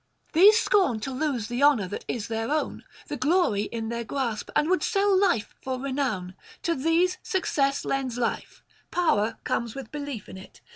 These scorn to lose the honour that is their own, the glory in their grasp, and would sell life for renown; to these success lends life; power comes with belief in it.